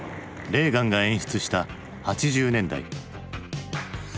レーガンが演出した８０年代。